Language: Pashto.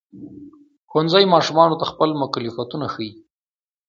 ښوونځی ماشومانو ته خپل مکلفیتونه ښيي.